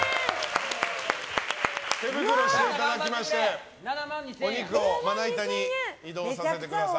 手袋していただきましてお肉をまな板に移動させてください。